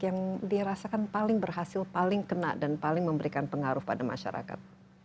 yang dirasakan paling berhasil paling kena dan paling memberikan pengaruh pada masyarakat